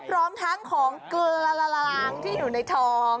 พร้อมทั้งของเกลือละลางที่อยู่ในทอง